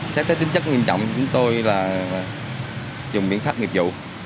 xác xác tính chất nghiêm trọng của chúng tôi là dùng biện pháp nghiệp vụ